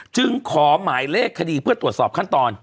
จึงขอหมายเลขคดีเพื่อตรวจสอบขั้นตอน